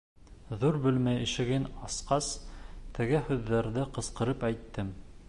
Ҙур бүлмә ишеген асҡас, теге һүҙҙәрҙе ҡысҡырып әйттем.